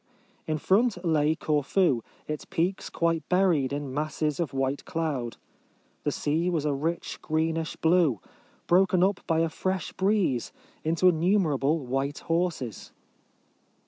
In front lay Corfu, its peaks quite buried in masses of white cloud. The sea was a rich greenish blue, broken up by a fresh breeze into innumerable white horses.